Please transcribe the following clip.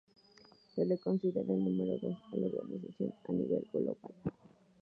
Se le considera el número dos de la organización a nivel global.